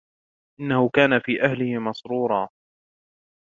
إِنَّهُ كَانَ فِي أَهْلِهِ مَسْرُورًا